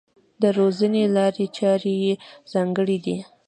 د روزنې لارې چارې یې ځانګړې دي.